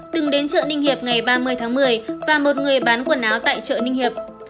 từng đến chợ ninh hiệp ngày ba mươi tháng một mươi và một người bán quần áo tại chợ ninh hiệp